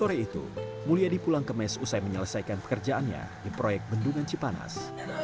sore itu mulyadi pulang ke mes usai menyelesaikan pekerjaannya di proyek bendungan cipanas